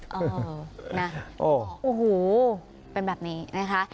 โอ้โหนะโอ้โหเป็นแบบนี้นะคะ